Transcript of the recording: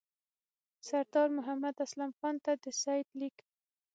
سردار محمد اسلم خان ته د سید لیک.